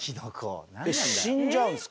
死んじゃうんすか？